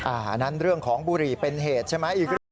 อ่านั่นเรื่องของบุหรี่เป็นเหตุใช่ไหม